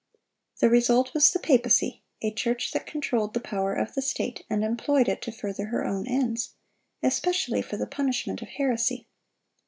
The result was the papacy, a church that controlled the power of the state, and employed it to further her own ends, especially for the punishment of "heresy."